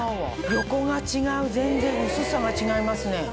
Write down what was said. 横が違う全然薄さが違いますね。